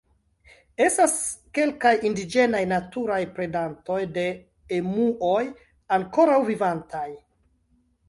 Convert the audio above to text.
Estas kelkaj indiĝenaj naturaj predantoj de emuoj ankoraŭ vivantaj.